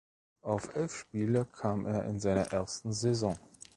Auf elf Spiele kam er in seiner ersten Saison.